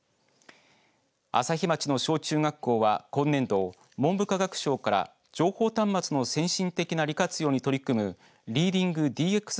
朝日町の小中学校は今年度文部科学省から情報端末の先進的な利活用に取り組むリーディングＤＸ